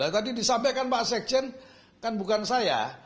tadi disampaikan pak sekjen kan bukan saya